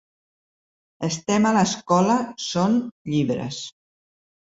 Estem a l’escola són llibres.